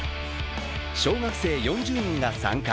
小学生４０人が参加。